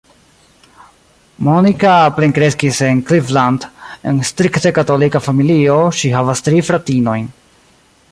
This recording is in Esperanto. Monica plenkreskis en Cleveland en strikte katolika familio, ŝi havas tri fratinojn.